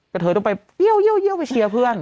แต่เธอต้องไปเยี่ยวไปเชียร์เพื่อน